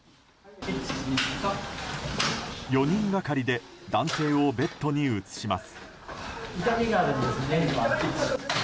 ４人がかりで男性をベッドに移します。